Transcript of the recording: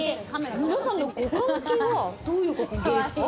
皆さんのご関係はどういうご関係ですか？